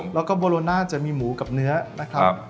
แล้วก็โบโรน่าจะมีหมูกับเนื้อนะครับ